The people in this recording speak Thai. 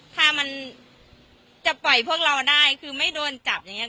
ถ้ามันจะปล่อยพวกเราได้คือไม่โดนจับอย่างนี้